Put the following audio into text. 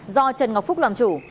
do trần ngọc phúc làm chủ